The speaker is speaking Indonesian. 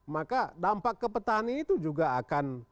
maka dampak ke petani itu juga akan